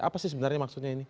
apa sih sebenarnya maksudnya ini